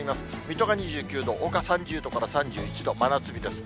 水戸が２９度、ほか３０度から３１度、真夏日です。